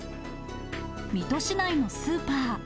水戸市内のスーパー。